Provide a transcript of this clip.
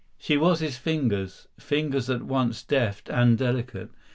She was his fingers—fingers at once deft and delicate.